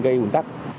gây hùn tắc